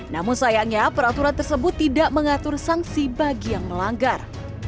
namun sayangnya peraturan tersebut tidak mengatur sanksi bagi yang melanggar